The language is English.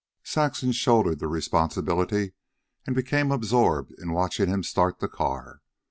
Saxon shouldered the responsibility and became absorbed in watching him start the car.